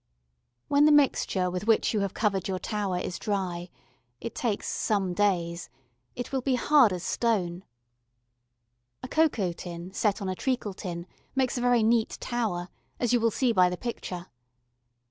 When the mixture with which you have covered your tower is dry, it takes some days it will be as hard as stone. A cocoa tin set on a treacle tin makes a very neat tower, as you will see by the picture.